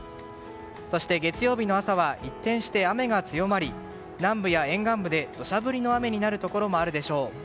そして月曜日の朝は一転して雨が強まり南部や沿岸部で土砂降りの雨になるところもあるでしょう。